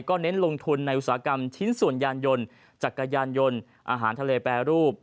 เน้นลงทุนในอุตสาหกรรมชิ้นส่วนยานยนต์จักรยานยนต์อาหารทะเลแปรรูป